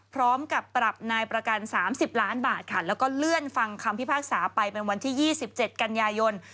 พร้อมกับปรับนายประกัน๓๐ล้านบาทค่ะแล้วก็เลื่อนฟังคำพิพากษาไปเป็นวันที่๒๗กันยายน